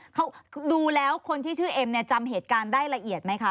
เขาดูแล้วคนที่ชื่อเอ็มเนี่ยจำเหตุการณ์ได้ละเอียดไหมคะ